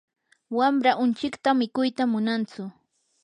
wamraa unchikta mikuyta munantsu.